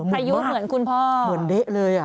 อายุเหมือนคุณพ่อเหมือนเด๊ะเลยอ่ะ